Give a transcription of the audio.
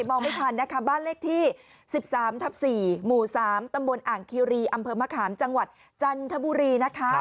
บ้านเลขที่๑๓๔หมู่๓ตำบลอ่างคิรีอำเภอมะขามจังหวัดจันทบุรี